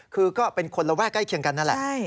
คือก็เป็นคนระแวกใกล้เคียงกันนั่นแหละ